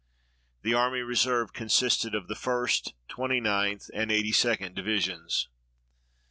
The army reserve consisted of the First, Twenty ninth, and Eighty second Divisions."